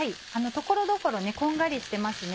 所々こんがりしてますね。